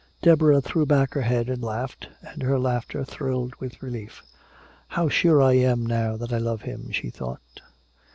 Deborah threw back her head and laughed, and her laughter thrilled with relief. "How sure I feel now that I love him," she thought.